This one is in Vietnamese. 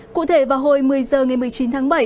cụ thể vào hồi một mươi h ngày một mươi chín tháng bảy